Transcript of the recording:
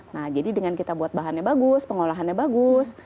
nah jadi dengan kita buat bahannya bagus pengolahannya bagus